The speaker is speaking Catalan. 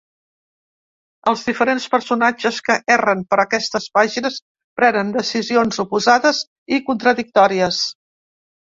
Els diferents personatges que erren per aquestes pàgines prenen decisions oposades i contradictòries.